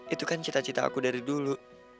itu kan cita cita aku dari dulu